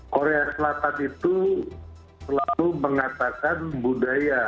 korea selatan itu selalu mengatakan budaya